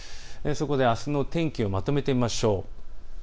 あすの天気をまとめてみましょう。